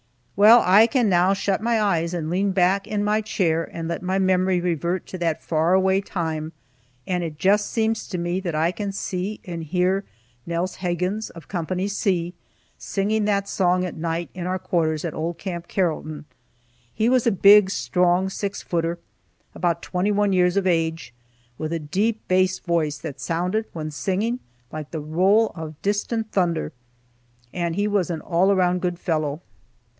Well, I can now shut my eyes and lean back in my chair and let my memory revert to that far away time, and it just seems to me that I can see and hear Nelse Hegans, of Co. C, singing that song at night in our quarters at old Camp Carrollton. He was a big, strong six footer, about twenty one years of age, with a deep bass voice that sounded when singing like the roll of distant thunder. And he was an all around good fellow.